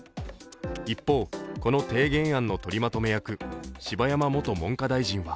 一方、この提言案の取りまとめ役、柴山元文科大臣は